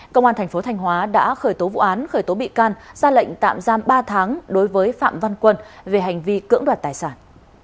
công an thành phố thanh hóa đã khởi tố vụ án khởi tố bị can ra lệnh tạm giam ba tháng đối với phạm văn quân về hành vi cưỡng đoạt tài sản